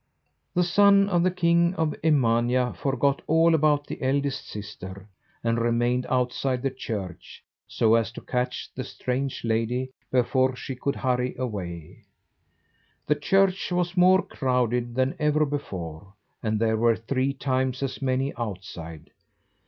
The son of the king of Emania forgot all about the eldest sister, and remained outside the church, so as to catch the strange lady before she could hurry away. The church was more crowded than ever before, and there were three times as many outside.